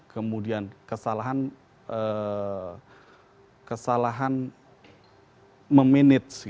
kemudian kesalahan memenit